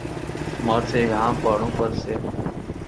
مارچ سے یہاں پہاڑوں پر سے